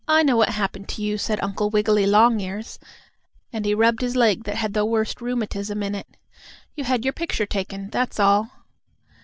"I know what happened to you," said Uncle Wiggily Longears, and he rubbed his leg that had the worst rheumatism in it. "You had your picture taken; that's all."